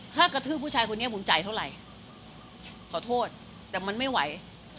ถ้ากระทืบผู้ชายคนนี้บุญใจเท่าไหร่ขอโทษแต่มันไม่ไหว